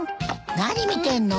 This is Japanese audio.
何見てんの？